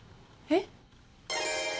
えっ？